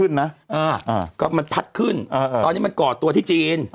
แล้วมันผัดขึ้นตอนนี้มันเกาะตัวที่จีน